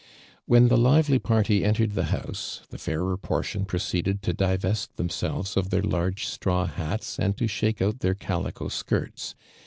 When the lively i)arty entered the house j the i'aii'er portion proceeded to divest them selves of their large straw hats and to shake out their calico skirts.